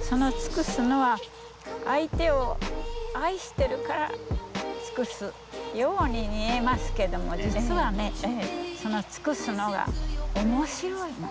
その尽くすのは相手を愛してるから尽くすように見えますけども実はねその尽くすのが面白いの。